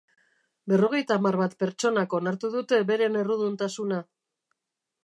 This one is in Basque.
Berrogeita hamar bat pertsonak onartu dute beren erruduntasuna!